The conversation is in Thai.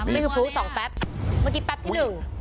นี่คือพลุสองแป๊บเมื่อกี้แป๊บที่หนึ่ง